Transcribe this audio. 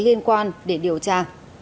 liên quan để điều tra